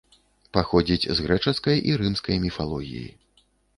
Паходзіць з грэчаскай і рымскай міфалогіі.